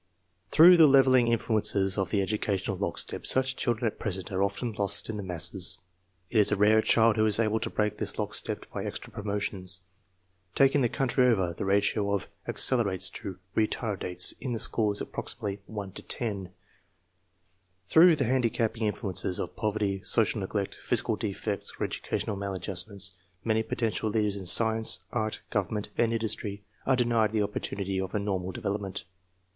Through the leveling influences of the educational lock step such children at present are often lost in the masses. It is a rare child who is able to break this lockstcp by extra promotions. Taking the country over, the ratio of " ac celerates " to " retardates " in the school is approximately 1 to 10. Through the handicapping influences of poverty, social neglect, physical defects, or educational maladjust ments, many potential leaders in science, art, govern ment, and industry arc denied the opportunity of a normal development.